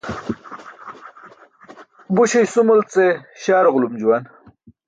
Buśe isumal ce śaar ġulum juwan.